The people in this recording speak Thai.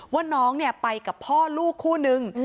ว่าน้องไปกับพ่อลูกคู่นึง